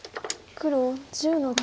黒１０の九。